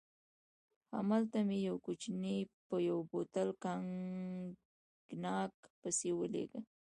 هملته مې یو کوچنی په یو بوتل کاګناک پسې ولېږه.